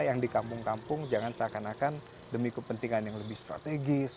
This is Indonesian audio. yang di kampung kampung jangan seakan akan demi kepentingan yang lebih strategis